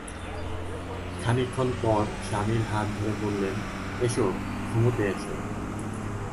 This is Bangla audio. খানিকক্ষণ পর স্বামীর হাত ধরে বললেন, এস, ঘুমুতে এস।